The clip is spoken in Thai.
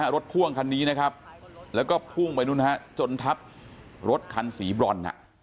รถพั่วงคันนี้แล้วก็พุ่งไปติดไปจนทับรถขันสีบร้อน